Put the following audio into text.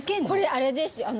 これあれです。